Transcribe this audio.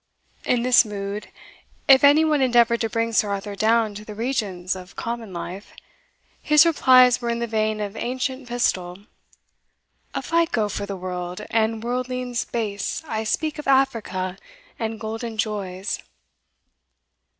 In this mood, if any one endeavoured to bring Sir Arthur down to the regions of common life, his replies were in the vein of Ancient Pistol A fico for the world, and worldlings base I speak of Africa and golden joys!